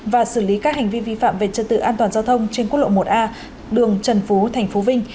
và xử lý các hành vi vi phạm về trật tự an toàn giao thông trên quốc lộ một a đường trần phú tp vinh